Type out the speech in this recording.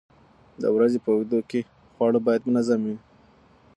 د ورځې په اوږدو کې خواړه باید منظم وي.